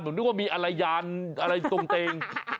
นึกว่ามีอะไรยานอะไรตรงเต็ง